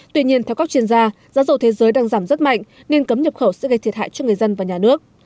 tuy nhiên theo các chuyên gia giá dầu thế giới đang giảm rất mạnh nên cấm nhập khẩu sẽ gây thiệt hại cho người dân và nhà nước